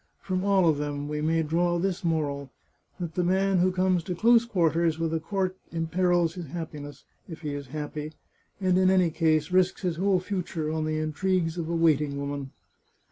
From all of them we may draw this moral — that the man who comes to close quarters with a court imperils his happiness, if he is happy, and in any case, risks his whole future on the intrigues of a waiting woman.